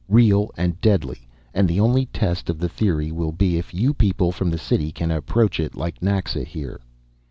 "Real and deadly, and the only test of the theory will be if you people from the city can approach it like Naxa here."